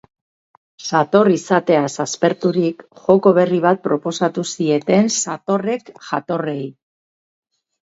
Sator izateaz asperturik, joko berri bat proposatu zieten satorrek jatorrei.